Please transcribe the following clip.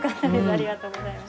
ありがとうございます。